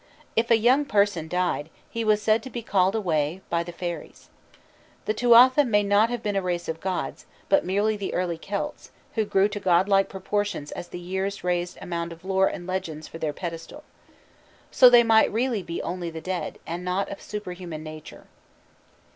If a young person died, he was said to be called away by the fairies. The Tuatha may not have been a race of gods, but merely the early Celts, who grew to godlike proportions as the years raised a mound of lore and legends for their pedestal. So they might really be only the dead, and not of superhuman nature.